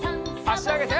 あしあげて。